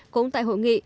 cũng tại hội nghị